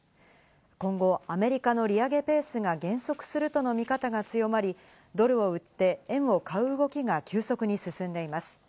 今後、アメリカの利上げペースが減速するとの見方が強まり、ドルを売って、円を買う動きが急速に進んでいます。